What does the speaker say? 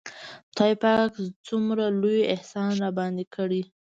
خداى پاک څومره لوى احسان راباندې کړى.